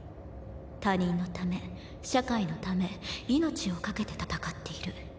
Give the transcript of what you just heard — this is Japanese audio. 他人のため社会のため命を懸けて戦っている。